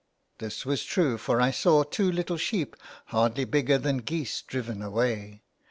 This was true, for I saw two little sheep hardly bigger than geese driven away.